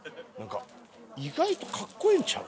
意外と格好ええんちゃう？